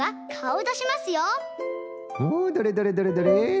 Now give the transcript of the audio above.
おどれどれどれどれ？